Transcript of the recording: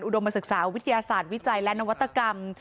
มศึกษาวิทยาศาสตร์วิจัยและนวัตกรรม